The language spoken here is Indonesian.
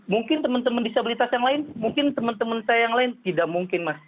mungkin teman teman disabilitas yang lain mungkin teman teman saya yang lain tidak mungkin mas